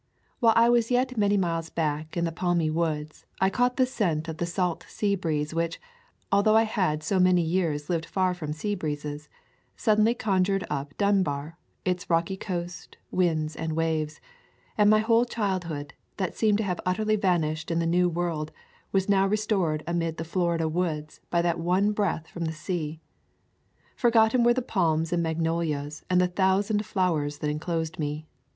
While I was yet many miles back in the palmy woods, I caught the scent of the salt sea breeze which, although I had so many years lived far from sea breezes, suddenly conjured up Dunbar, its rocky coast, winds and waves; and my whole childhood, that seemed to have utterly vanished in the New World, was now restored amid the Florida woods by that one breath from the sea. For gotten were the palms and magnolias and the thousand flowers that enclosed me.